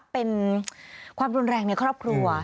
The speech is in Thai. เป็นความรุนแรงในครอบครัว